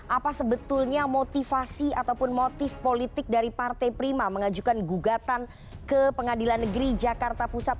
apa sebetulnya motivasi ataupun motif politik dari partai prima mengajukan gugatan ke pengadilan negeri jakarta pusat